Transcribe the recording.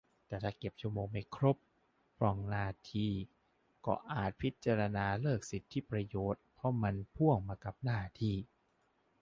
แต่ถ้าเก็บชั่วโมงไม่ครบ พร่องหน้าที่ ก็อาจพิจารณาเลิกสิทธิประโยชน์ เพราะมันพ่วงมากับหน้าที่